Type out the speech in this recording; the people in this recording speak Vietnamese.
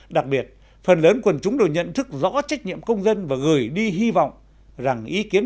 đặc biệt phần lớn quần chúng đều nhận thức rõ trách nhiệm công dân và gửi đi hy vọng rằng ý kiến